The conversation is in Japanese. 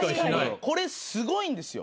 これすごいんですよ。